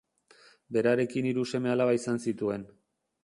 Berarekin hiru seme-alaba izan zituen.